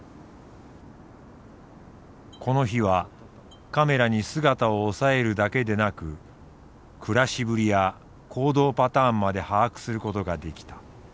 この日はカメラに姿を押さえるだけでなく暮らしぶりや行動パターンまで把握することができた。